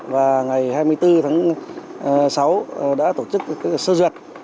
và ngày hai mươi bốn tháng sáu đã tổ chức sơ duyệt